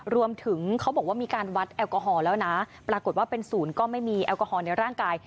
เขาบอกว่ามีการวัดแอลกอฮอลแล้วนะปรากฏว่าเป็นศูนย์ก็ไม่มีแอลกอฮอลในร่างกาย